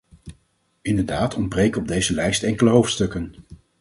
Inderdaad ontbreken op deze lijst enkele hoofdstukken.